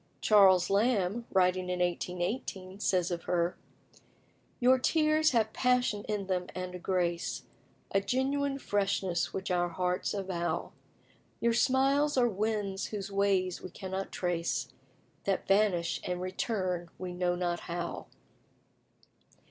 Charles Lamb, writing in 1818, says of her "Your tears have passion in them, and a grace, A genuine freshness which our hearts avow; Your smiles are winds whose ways we cannot trace, That vanish and return we know not how."